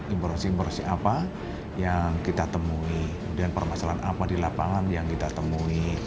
imporasi imporasi apa yang kita temui dan permasalahan apa di lapangan yang kita temui